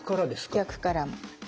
逆からも。